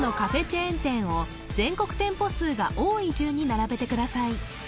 チェーン店を全国店舗数が多い順に並べてください